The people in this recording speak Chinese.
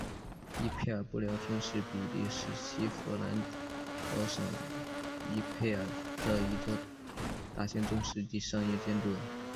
伊佩尔布料厅是比利时西佛兰德省伊佩尔的一座大型中世纪商业建筑。